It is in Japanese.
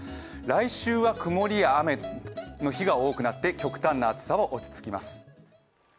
来週は曇りや雨の日が多くなって極端な暑さは落ち着きます。